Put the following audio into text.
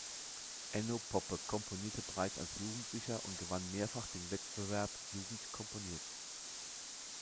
Enno Poppe komponierte bereits als Jugendlicher und gewann mehrfach den Wettbewerb „Jugend komponiert“.